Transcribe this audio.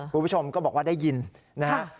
คุณผู้ชมก็บอกว่าได้ยินนะฮะ